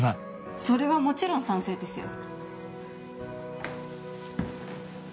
それはもちろん賛成ですよ。